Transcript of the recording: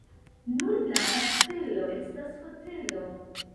Nun la kastelo estas hotelo.